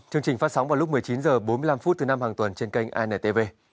chương trình phát sóng vào lúc một mươi chín h bốn mươi năm thứ năm hàng tuần trên kênh intv